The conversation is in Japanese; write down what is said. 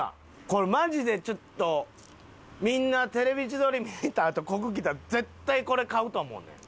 これマジでちょっとみんな『テレビ千鳥』見たあとここ来たら絶対これ買うと思うねん。